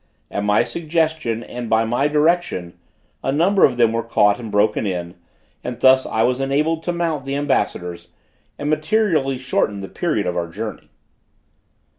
At my suggestion and by my direction, a number of them were caught and broken in, and thus I was enabled to mount the ambassadors, and materially shorten the period of our journey.